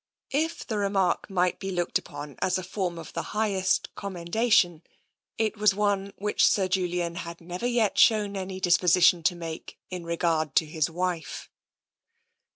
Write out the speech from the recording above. If the remark might be looked upon as a form of the highest commendation, it was one which Sir Julian had never yet shown any disposition to make in regard to his wife.